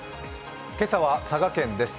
今朝は佐賀県です。